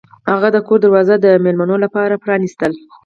هغه د کور دروازه د میلمنو لپاره پرانیستله.